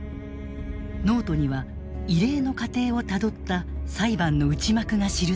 ノートには異例の過程をたどった裁判の内幕が記されている。